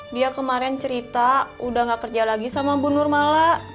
dia kemarin cerita udah gak kerja lagi sama bu nurmala